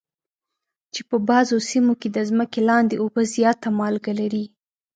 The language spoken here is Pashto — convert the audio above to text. چې په بعضو سیمو کې د ځمکې لاندې اوبه زیاته مالګه لري.